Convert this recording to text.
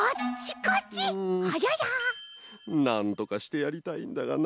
なんとかしてやりたいんだがな。